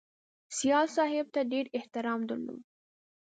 سیال صاحب ته یې ډېر احترام درلود